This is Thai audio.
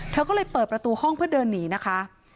เธอก็เลยเปิดประตูห้องเพื่อเดินหนีนะคะ